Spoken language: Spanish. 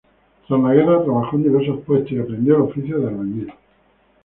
Tras la guerra trabajó en diversos puestos y aprendió el oficio de albañil.